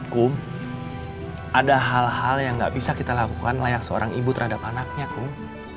kum ada hal hal yang gak bisa kita lakukan layak seorang ibu terhadap anaknya kum